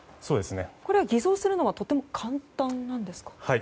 これを偽造するのは簡単なんですか？